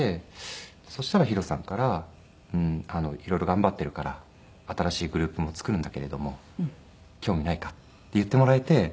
そしたらＨＩＲＯさんから「色々頑張っているから新しいグループを作るんだけれども興味ないか？」って言ってもらえて。